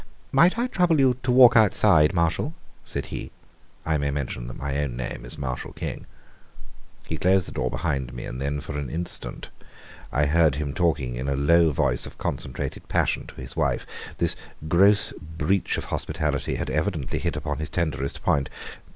"Might I trouble you to walk outside, Marshall?" said he. (I may mention that my own name is Marshall King.) He closed the door behind me, and then, for an instant, I heard him talking in a low voice of concentrated passion to his wife. This gross breach of hospitality had evidently hit upon his tenderest point.